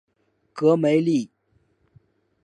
戈梅利。